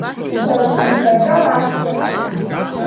Сара сныҳәаҿа аашьҭырхит.